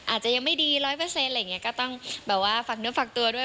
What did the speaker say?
อาจจะยังไม่ดี๑๐๐อะไรอย่างนี้ก็ต้องแบบว่าฝากเนื้อฝากตัวด้วย